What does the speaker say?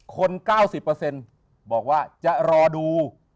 ๙๐บอกว่าจะรอดู